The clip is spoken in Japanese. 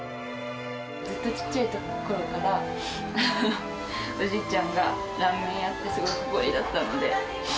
ずっと小っちゃいころから、おじいちゃんがラーメン屋さんって、すごく誇りだったので。